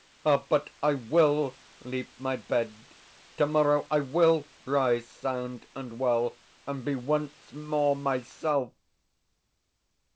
Ah, but I WILL leave my bed. Tomorrow I WILL rise sound and well, and be once more myself....